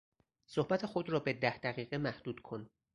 صحبت خود را به ده دقیقه محدود کن.